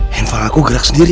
hemval aku gerak sendiri